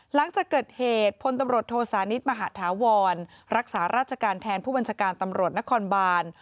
หลังจากเกิดเหตุพลตำรวจโทสานิทมหาธาวรรักษาราชการแทนผู้บัญชาการตำรวจนครบาน